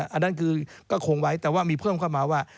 อันนั้นคือก็คงไว้แต่ว่ามีเพิ่มเข้ามาว่า